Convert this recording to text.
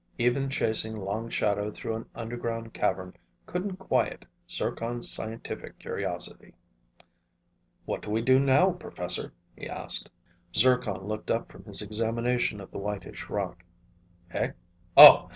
Even chasing Long Shadow through an underground cavern couldn't quiet Zircon's scientific curiosity. "What do we do now, professor?" he asked. Zircon looked up from his examination of the whitish rock. "Eh? Oh.